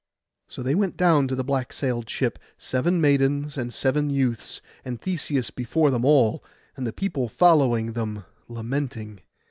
So they went down to the black sailed ship, seven maidens, and seven youths, and Theseus before them all, and the people following them lamenting.